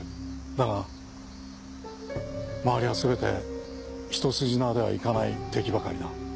だが周りはすべて一筋縄ではいかない敵ばかりだ。